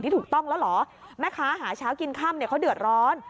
ถูกต้องแล้วเหรอแม่ค้าหาเช้ากินค่ำเนี่ยเขาเดือดร้อน